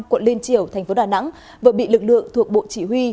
quận liên triều tp đà nẵng vừa bị lực lượng thuộc bộ chỉ huy